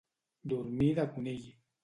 Dormir de conill.